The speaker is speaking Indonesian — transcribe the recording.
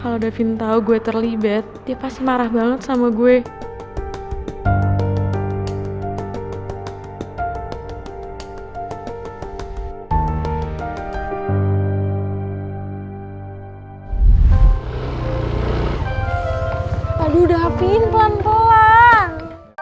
aduh udah hapin pelan pelan